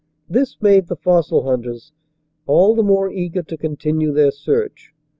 This made the fossil hunters all the more eager to continue their search.